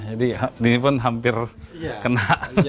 jadi ini pun hampir kena